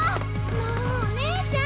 もうお姉ちゃん！